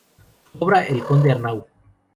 Su obra "El Conde Arnau.